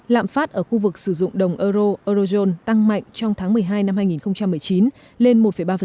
lạm phát ở khu vực sử dụng đồng euro eurozone tăng mạnh trong tháng một mươi hai năm hai nghìn một mươi chín lên một ba